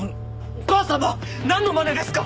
お母様なんのまねですか！？